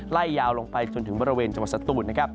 ไล่ยาวลงไปจนถึงบริเวณจังหวัดสตูนนะครับ